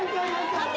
・勝て！